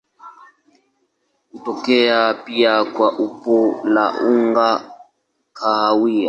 Hutokea pia kwa umbo la unga kahawia.